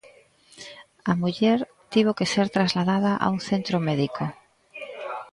A muller tivo que ser trasladada a un centro médico.